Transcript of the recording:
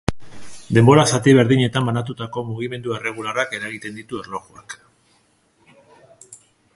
Denbora-zati berdinetan banatutako mugimendu erregularrak eragiten ditu erlojuak.